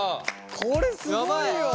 これすごいよ。